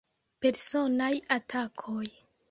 Personaj atakoj.